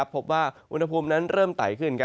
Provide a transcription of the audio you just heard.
พบว่าอุณหภูมินั้นเริ่มไตขึ้น